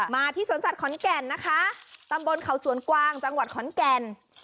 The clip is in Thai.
มาที่สวนสัตว์ขอนแก่นนะคะตำบลเขาสวนกวางจังหวัดขอนแก่น